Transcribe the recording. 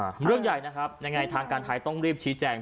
เรื่องใหญ่นะครับยังไงทางการไทยต้องรีบชี้แจง